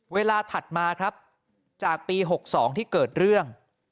ถัดมาครับจากปี๖๒ที่เกิดเรื่อง